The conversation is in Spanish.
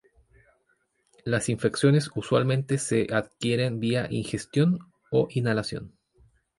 Las infecciones usualmente se adquieren vía ingestión o inhalación.